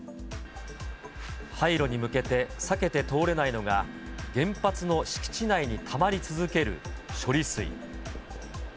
廃炉に向けて避けて通れないのが、原発の敷地内にたまり続ける処理水。